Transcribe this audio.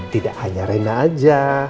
tidak hanya reina aja